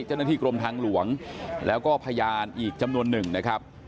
เจ้าหน้าที่กรมทางหลวงแล้วก็พยานอีกจำนวนหนึ่งนะครับ